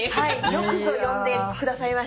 よくぞ呼んで下さいました。